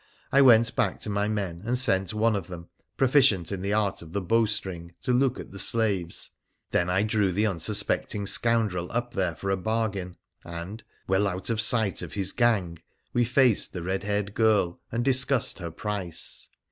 I went back to my men, and sent one of them, proficient in the art of the bowstring, to look at the slaves. Then I drew the unsuspecting scoundrel up there for a bargain, and, well out of sight of his gang, we faced the red haired girl and discussed her price.